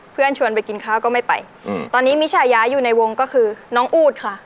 ชวนไปกินข้าวก็ไม่ไปตอนนี้มิฉายาอยู่ในวงก็คือน้องอูดค่ะ